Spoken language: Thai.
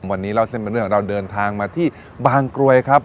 วันนี้เล่าเส้นเป็นเรื่องของเราเดินทางมาที่บางกรวยครับ